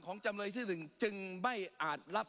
ปรับไปเท่าไหร่ทราบไหมครับ